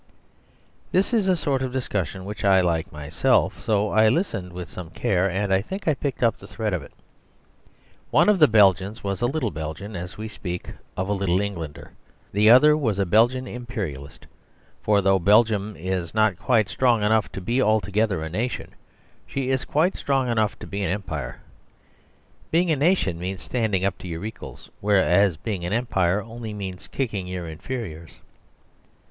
This is a sort of discussion which I like myself, so I listened with some care, and I think I picked up the thread of it. One of the Belgians was a Little Belgian, as we speak of a Little Englander. The other was a Belgian Imperialist, for though Belgium is not quite strong enough to be altogether a nation, she is quite strong enough to be an empire. Being a nation means standing up to your equals, whereas being an empire only means kicking your inferiors.